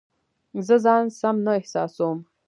زه ځان سم نه احساسوم